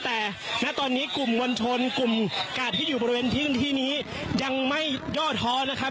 แต่ณตอนนี้กลุ่มมวลชนกลุ่มกาดที่อยู่บริเวณพื้นที่นี้ยังไม่ย่อท้อนะครับ